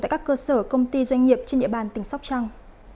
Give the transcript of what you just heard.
tại các cơ sở công ty doanh nghiệp trên địa bàn tỉnh sóc trăng